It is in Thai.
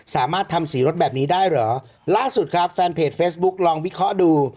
สามารถทำสีรถแบบนี้ได้เหรอล่าสุดครับแฟนเพจเฟซบุ๊กลองวิเคราะห์ดู